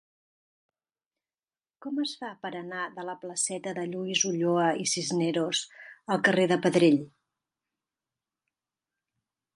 Com es fa per anar de la placeta de Lluís Ulloa i Cisneros al carrer de Pedrell?